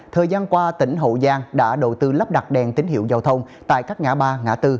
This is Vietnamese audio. thời gian qua tỉnh hậu giang đã đầu tư lắp đặt đèn tín hiệu giao thông tại các ngã ba ngã tư